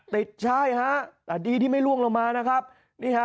ติดใช่แต่ดีที่ไม่ล่วงลงมา